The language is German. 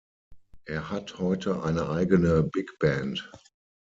Er hat heute eine eigene Big-Band.